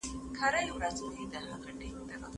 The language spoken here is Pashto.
په علمي ډګر کي د نویو کشفیاتو لپاره زمینه برابره سوه.